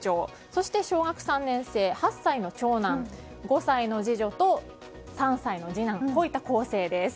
そして小学３年生、８歳の長男５歳の次女と３歳の次男といった構成です。